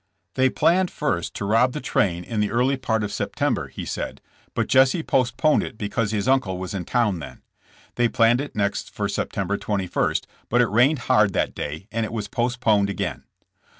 They planned first to rob the train in the 142 JSSISK JAM^. early part of September, lie said, but Jesse post poned it because his uncle was in town then. They planned it next for September 21, but it rained hard that day and it was postponed again.